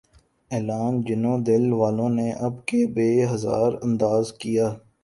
اعلان جنوں دل والوں نے اب کے بہ ہزار انداز کیا